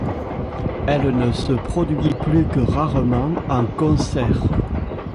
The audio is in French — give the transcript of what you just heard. Elle ne se produit plus que rarement en concert.